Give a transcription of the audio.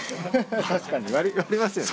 確かに割りますよね。